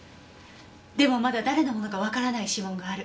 でもまだ誰のものかわからない指紋がある。